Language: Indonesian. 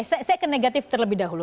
saya akan negatif terlebih dahulu